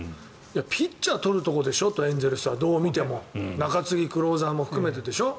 ピッチャー取るところでしょとエンゼルスはどう見ても中継ぎ、クローザーも含めてでしょ。